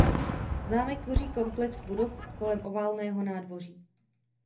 Zámek tvoří komplex budov kolem oválného nádvoří.